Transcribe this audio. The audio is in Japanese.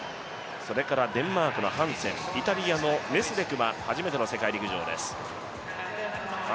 デンマークのハンセン、イタリアのメスレクは初めての世界陸上です。